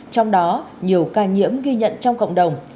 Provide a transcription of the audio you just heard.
trong đó nhiều ca nhiễm ghi nhận trong cộng đồng